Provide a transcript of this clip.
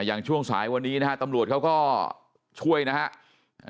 ช่วงสายวันนี้นะฮะตำรวจเขาก็ช่วยนะฮะ